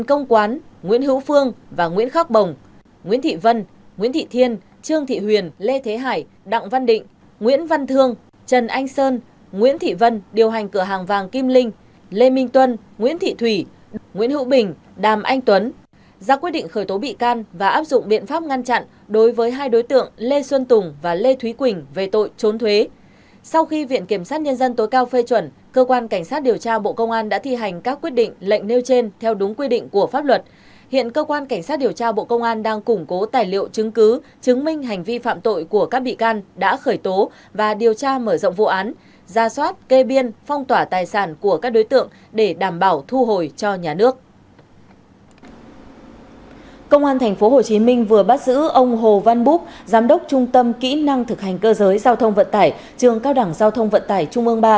ông hồ văn búp giám đốc trung tâm kỹ năng thực hành cơ giới giao thông vận tải trường cao đẳng giao thông vận tải trung ương ba về hành vi đưa hối lộ và lợi dụng chức vụ quyền hạn trong khi thi hành công vụ